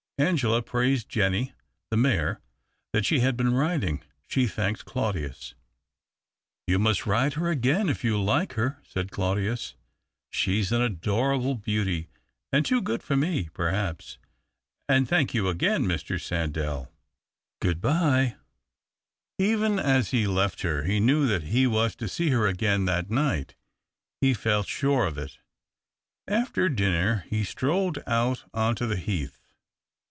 Angela praised Jeannie, the mare that she had been ridins;. She thanked Claudius. " You must ride her again if you like her," said Claudius. " She's an adorable beauty and too good for me. Perhaps. And thank you again, Mr. Sandell. Good bye." 230 THE OCTAVE OF CLAUDIUS. Even as lie left her he knew that he was to see her again that night. He felt sure of it. After dinner he strolled out on to the heath.